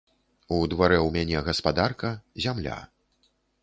У дварэ ў мяне гаспадарка, зямля.